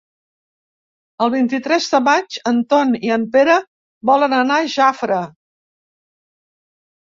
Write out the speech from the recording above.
El vint-i-tres de maig en Ton i en Pere volen anar a Jafre.